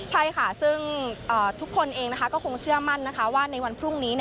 ใช่ค่ะซึ่งทุกคนเองก็คงเชื่อมั่นนะคะว่าในวันพรุ่งนี้